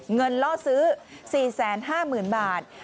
ล่อซื้อ๔๕๐๐๐๐บาท